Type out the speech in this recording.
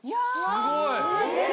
すごい！